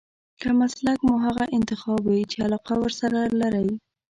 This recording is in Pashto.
که مسلک مو هغه انتخاب وي چې علاقه ورسره لرئ.